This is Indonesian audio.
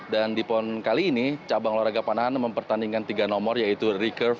dan di pon kali ini cabang olahraga panahan mempertandingkan tiga nomor yaitu recurve